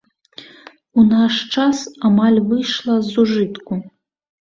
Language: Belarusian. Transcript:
У наш час амаль выйшла з ужытку.